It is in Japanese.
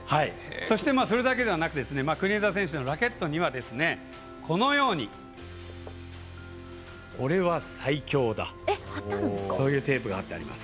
そして、それだけではなく国枝選手のラケットにはこのように「オレは最強だ！」というテープが貼ってあります。